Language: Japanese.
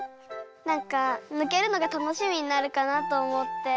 なんかぬけるのがたのしみになるかなとおもって。